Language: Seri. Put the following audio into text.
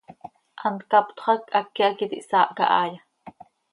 ¿Hant captxö hac háqui hac iti hsaahca haaya?